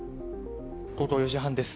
午後４時半です。